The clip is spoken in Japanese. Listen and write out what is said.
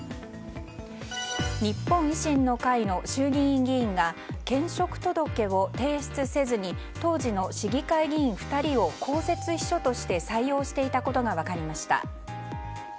日本維新の会の衆議院議員が兼職届を提出せずに当時の市議会議員２人を公設秘書として採用していたことが分かりました。